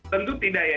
tentu tidak ya